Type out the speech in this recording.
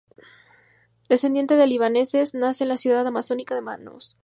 Descendiente de libaneses, nace en la ciudad amazónica de Manaos.